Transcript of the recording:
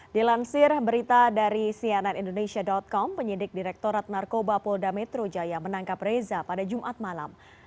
dilansir berita dari cnn indonesia com penyidik direktorat narkoba polda metro jaya menangkap reza pada jumat malam